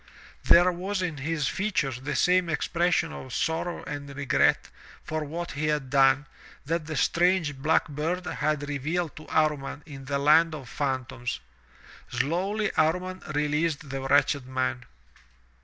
there was in his features the same expression of sorrow and regret for what he had done, that the strange, black bird had revealed to Amman in the land of phan toms. Slowly Amman released the wretched man.